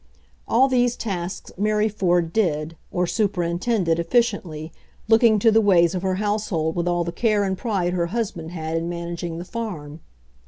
All these tasks Mary Ford did, or superin tended, efficiently, looking to the ways of her household with all the care and pride her hus band had in managing the farm.